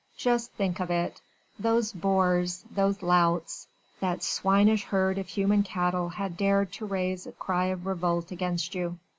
Just think of it! those boors! those louts! that swinish herd of human cattle had dared to raise a cry of revolt against you!